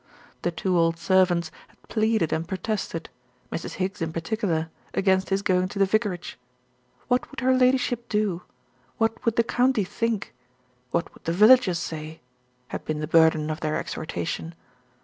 The two old servants had pleaded and protested, Mrs. Higgs in particular, against his going to the vicarage. What would her Ladyship do? What would the county think? What would the villagers say? had been the burden of their exhortation.